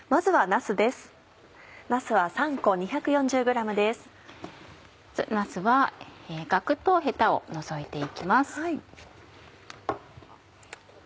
なすはガクとヘタを除いて行きます。